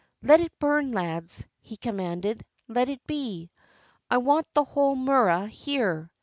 "Let it burn, lads!" he commanded, — "let it be! I want the whole mura here.